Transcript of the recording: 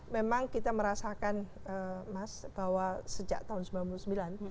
memang kita merasakan mas bahwa sejak tahun seribu sembilan ratus sembilan puluh sembilan